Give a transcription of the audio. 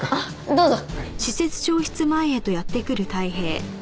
どうぞ。